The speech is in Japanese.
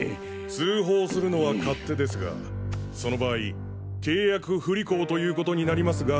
通報するのは勝手ですがその場合契約不履行ということになりますが？